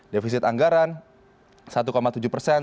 defisit anggaran satu tujuh persen